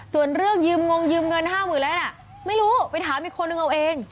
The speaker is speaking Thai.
ส่วนเรื่องยืมงยืมเงินห้าหมื่นล้านไม่รู้ไปถามอีกคนนึงเอาเอง